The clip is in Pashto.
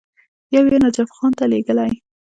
یو یې نجف خان ته لېږلی.